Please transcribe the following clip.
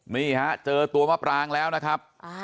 นี่ฮะเจอตัวมะปรางแล้วนะครับ